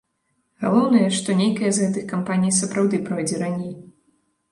Галоўнае, што нейкая з гэтых кампаній сапраўды пройдзе раней.